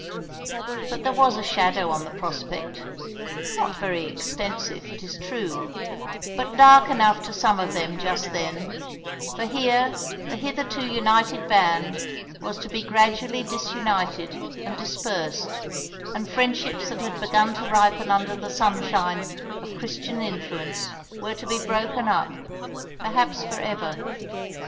But there was a shadow on the prospect, not very extensive, it is true, but dark enough to some of them just then, for here the hitherto united band was to be gradually disunited and dispersed, and friendships that had begun to ripen under the sunshine of Christian influence were to be broken up, perhaps for ever.